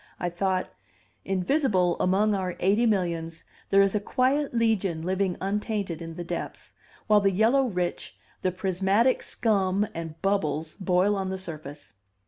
I thought, "Invisible among our eighty millions there is a quiet legion living untainted in the depths, while the yellow rich, the prismatic scum and bubbles, boil on the surface."